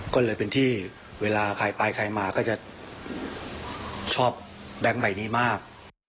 ก็เลยเป็นที่เวลาใครไปใครมาก็จะชอบแบงค์ใหม่นี้มาก